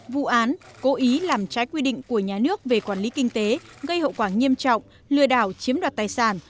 vụ án cố ý làm trái quy định của nhà nước về quản lý kinh tế gây hậu quả nghiêm trọng lừa đảo chiếm đoạt tài sản